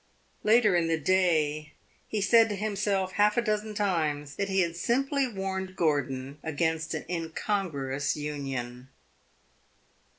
Later in the day he said to himself half a dozen times that he had simply warned Gordon against an incongruous union.